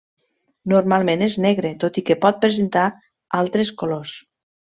Normalment és negre, tot i que pot presentar altres colors.